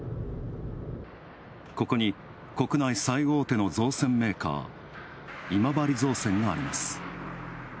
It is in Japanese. ここに、国内最大手の造船メーカー、今治造船があります。